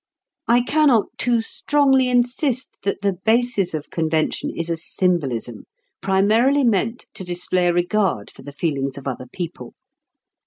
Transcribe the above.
I cannot too strongly insist that the basis of convention is a symbolism, primarily meant to display a regard for the feelings of other people.